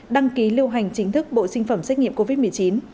đăng ký lưu hành chính thức bộ sinh phẩm xét nghiệm covid một mươi chín